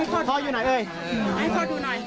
เพื่อนบ้านเจ้าหน้าที่อำรวจกู้ภัย